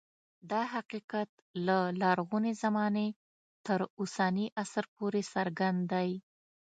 دا حقیقت له لرغونې زمانې تر اوسني عصر پورې څرګند دی